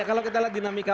kalau kita lihat dinamika